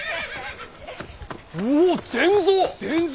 おぉ伝蔵！